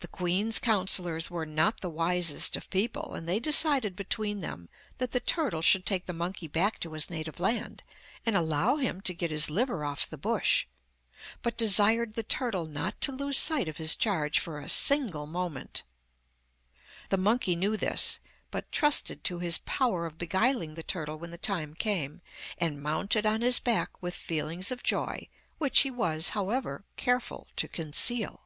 The queen's councillors were not the wisest of people, and they decided between them that the turtle should take the monkey back to his native land and allow him to get his liver off the bush, but desired the turtle not to lose sight of his charge for a single moment. The monkey knew this, but trusted to his power of beguiling the turtle when the time came, and mounted on his back with feelings of joy, which he was, however, careful to conceal.